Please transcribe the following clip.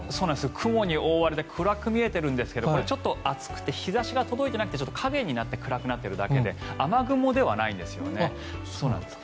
雲に覆われて暗く見えているんですがちょっと厚くて日差しが届いていなくて陰になって暗くなってるだけで雨雲ではないんですね。